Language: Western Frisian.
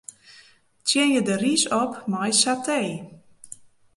Tsjinje de rys op mei satee.